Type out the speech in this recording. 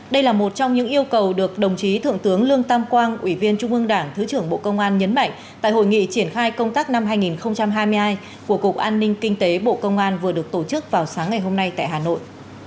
đây là một trong những yêu cầu được đồng chí thượng tướng lương tam quang ủy viên trung ương đảng thứ trưởng bộ công an nhấn mạnh tại hội nghị triển khai công tác năm hai nghìn hai mươi hai của cục an ninh kinh tế bộ công an vừa được tổ chức vào sáng ngày hôm nay tại hà nội